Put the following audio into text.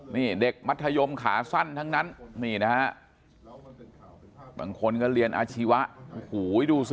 นี่เด็กมัธยมขาสั้นทั้งนั้นนี่นะฮะบางคนก็เรียนอาชีวะโอ้โหดูสิ